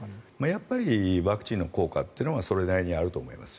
やっぱりワクチンの効果はそれなりにあると思います。